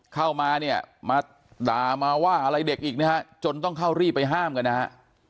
เข้ามาเนี่ยมาด่ามาว่าอะไรเด็กอีกนะฮะจนต้องเข้ารีบไปห้ามกันนะฮะ